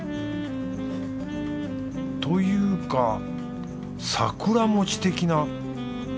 というか桜餅的な。